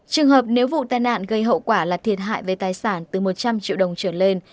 trường hợp nếu vụ tai nạn gây hậu quả là thiệt hại về tài sản từ một trăm linh triệu đồng trở lên